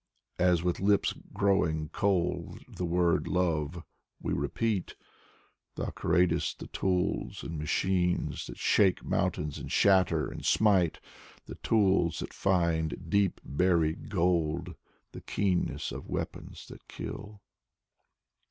As with lips growing cold the word * love * We repeat. Thou createst the tools and machines That shake mountains and shatter and smite. The tools that find deep buried gold, the keenness of weapons that kill.